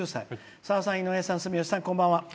「さださん、住吉さん、井上さんこんばんは。